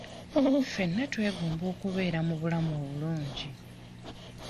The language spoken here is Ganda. Ffenna twegomba okubeera mu bulamu obulungi.